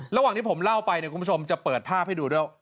ระหว่างที่ผมเล่าไปเนี่ยคุณผู้ชมจะเปิดภาพให้ดูด้วย